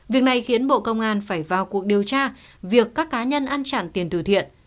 việc này khiến bộ công an phải vào cuộc điều tra việc các cá nhân ăn trả tiền từ thiện